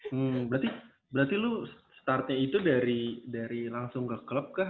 hmm berarti lu startnya itu dari langsung ke klub kah